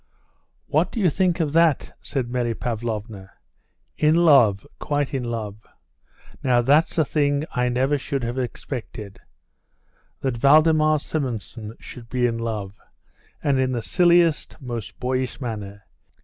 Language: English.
"What do you think of that?" said Mary Pavlovna. "In love quite in love. Now, that's a thing I never should have expected, that Valdemar Simonson should be in love, and in the silliest, most boyish manner.